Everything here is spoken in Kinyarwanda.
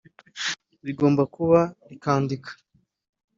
rigomba kuba rikandika